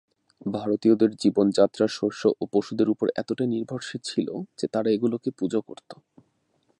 ভারতীয়দের জীবনযাত্রা শস্য ও পশুদের উপর এতটাই নির্ভরশীল ছিল যে তারা এগুলিকে পূজা করত।